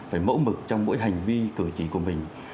phải mẫu mực trong mỗi hành vi cử chỉ của mình